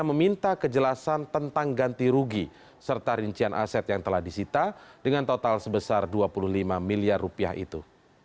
meminta kejelasan tentang ganti rugi serta rincian aset yang telah disita dengan total sebesar dua puluh lima miliar rupiah itu